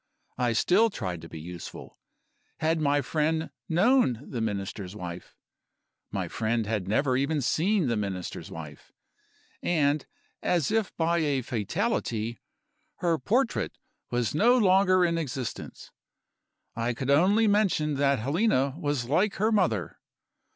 I still tried to be useful. Had my friend known the Minister's wife? My friend had never even seen the Minister's wife. And, as if by a fatality, her portrait was no longer in existence. I could only mention that Helena was like her mother.